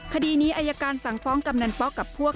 คดีนี้อายการสั่งฟ้องกำนันป๊อกกับพวก